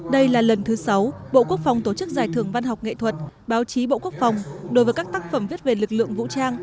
đây là lần thứ sáu bộ quốc phòng tổ chức giải thưởng văn học nghệ thuật báo chí bộ quốc phòng đối với các tác phẩm viết về lực lượng vũ trang